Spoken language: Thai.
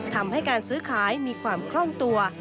ทำให้การซื้อขายมีความคล่องตัว